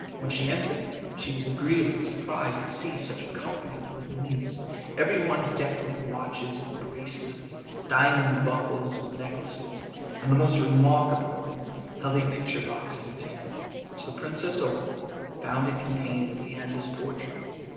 When she entered it, she was agreeably surprised to see such a company of little mutes, every one decked with watches, bracelets, diamond buckles, or necklaces; and the most remarkable of them held a picture box in its hand, which the princess opening, found it contained Leander's portrait.